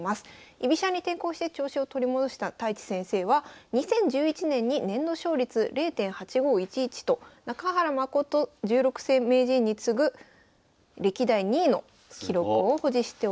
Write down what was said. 居飛車に転向して調子を取り戻した太地先生は２０１１年に年度勝率０．８５１１と中原誠十六世名人に次ぐ歴代２位の記録を保持しております。